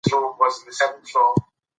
دی په ډېر احتیاط سره له ځایه پورته شو.